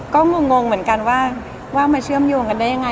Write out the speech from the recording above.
ก็งงเหมือนกันว่ามาเชื่อมโยงกันได้ยังไง